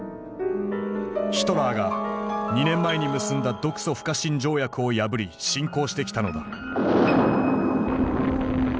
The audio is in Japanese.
ヒトラーが２年前に結んだ独ソ不可侵条約を破り侵攻してきたのだ。